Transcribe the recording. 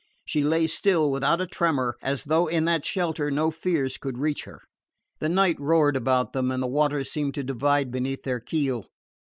She lay still, without a tremor, as though in that shelter no fears could reach her. The night roared about them and the waters seemed to divide beneath their keel.